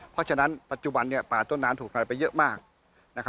เพราะฉะนั้นปัจจุบันป่าต้นน้ำถูกอะไรไปเยอะมาก